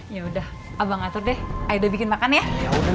yaudah abang atur deh aida bikin makan ya